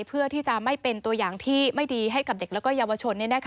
เพื่อที่จะไม่เป็นตัวอย่างที่ไม่ดีให้กับเด็กและเยาวชน